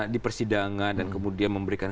di persidangan dan kemudian memberikan